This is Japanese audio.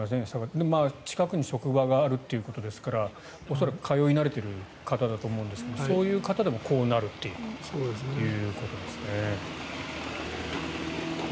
でも、近くに職場があるということですから恐らく通い慣れている方だと思うんですがそういう方でもこうなるということですね。